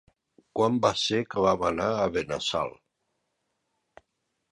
Quan va ser que vam anar a Benassal?